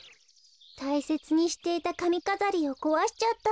たいせつにしていたかみかざりをこわしちゃったの。